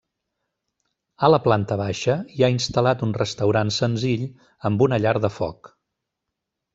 A la planta baixa hi ha instal·lat un restaurant senzill, amb una llar de foc.